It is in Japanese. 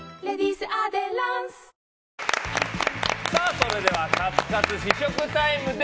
それではカツカツ試食タイム。